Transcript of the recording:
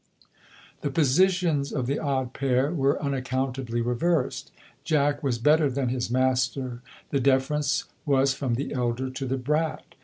The positions of the odd pair were unaccountably reversed; Jack was better than his master, the deference was from the elder to the brat.